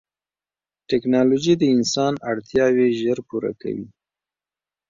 ټکنالوجي د انسان اړتیاوې ژر پوره کوي.